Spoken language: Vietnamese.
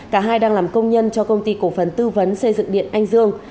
cả hai đang làm công nhân cho công ty cổ phần tư vấn xây dựng điện anh dương